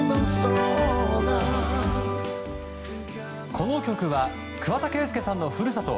この曲は桑田佳祐さんのふるさと